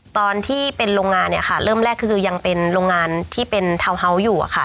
ตอนที่เป็นโรงงานเนี่ยค่ะเริ่มแรกคือยังเป็นโรงงานที่เป็นทาวน์เฮาส์อยู่อะค่ะ